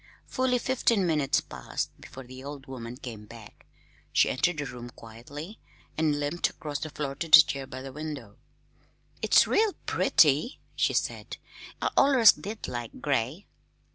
Fully fifteen minutes passed before the old woman came back. She entered the room quietly, and limped across the floor to the chair by the window. "It's real pretty," she said. "I allers did like gray."